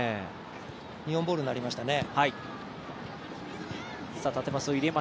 日本ボールになりましたね。